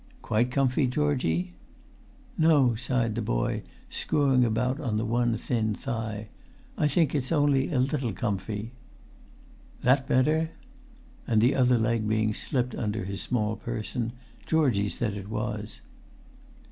"Quite comfy, Georgie?" "No," sighed the boy, screwing about on the one thin thigh; "I think it's only a little comfy." "That better?" And, the other leg being slipped under his small person, Georgie said it was.